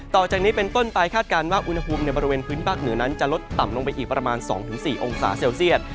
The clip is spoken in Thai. ต่อจากนี้เป็นต้นไปคาดการณ์ว่าอุณหภูมิในบริเวณพื้นที่ภาคเหนือนั้นจะลดต่ำลงไปอีกประมาณ๒๔องศาเซลเซียต